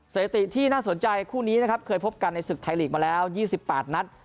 เศรษฐีที่น่าสนใจคู่นี้เคยพบกันในศึกไทยลีกมาแล้ว๒๘นัด